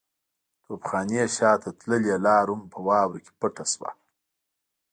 د توپخانې شاته تللې لار هم په واورو کې پټه شوه.